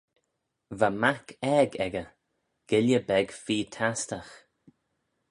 "Va mac aeg echey; guilley beg feer tastagh."